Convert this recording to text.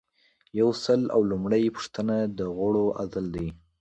یو سل او لومړۍ پوښتنه د غړو عزل دی.